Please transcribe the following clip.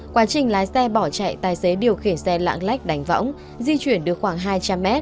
quá trình lái xe bỏ chạy tài xế điều khiển xe lạng lách đánh võng di chuyển được khoảng hai trăm linh m